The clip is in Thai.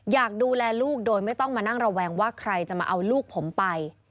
อยากดูแลลูกโดยไม่ต้องมานั่งระแวงว่าใครจะมาเอาลูกผมไป